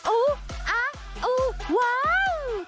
อู้อ่ะอู้ว้าง